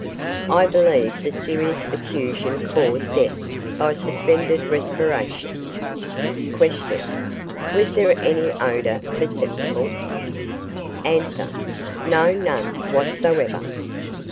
I believe the serous effusion caused death by suspended respiration. Q. Was there any odour perceptible? A. No, none whatsoever.